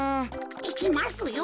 いきますよ。